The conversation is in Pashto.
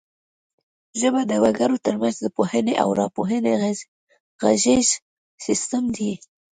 ژبه د وګړو ترمنځ د پوهونې او راپوهونې غږیز سیستم دی